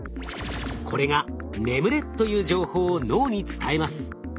これが「眠れ！」という情報を脳に伝えます。